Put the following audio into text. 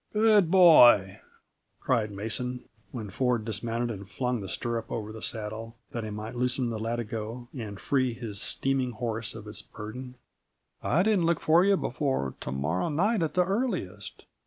"Good boy!" cried Mason, when Ford dismounted and flung the stirrup up over the saddle, that he might loosen the latigo and free his steaming horse of its burden. "I didn't look for you before to morrow night, at the earliest.